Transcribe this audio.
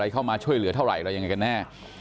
เข้ามาช่วยเหลือเท่าไหร่อะไรยังไงกันแน่